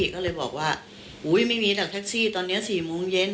ก็เลยบอกว่าไม่มีหรอกแท็กซี่ตอนนี้๔โมงเย็น